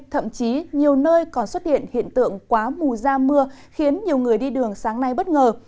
thậm chí nhiều nơi còn xuất hiện hiện tượng quá mù ra mưa khiến nhiều người đi đường sáng nay bất ngờ